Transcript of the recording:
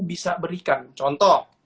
bisa berikan contoh